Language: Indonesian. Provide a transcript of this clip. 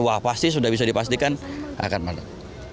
wah pasti sudah bisa dipastikan akan mana